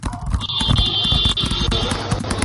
আল্লাহর কাছে আমি তওবা করছি।